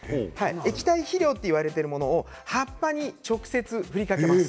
液体肥料といわれているものを葉っぱに直接ふりかけます。